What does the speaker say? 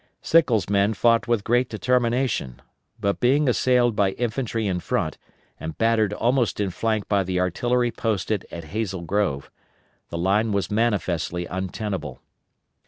Sickles' men fought with great determination, but being assailed by infantry in front and battered almost in flank by the artillery posted at Hazel Grove, the line was manifestly untenable.